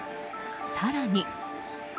更に。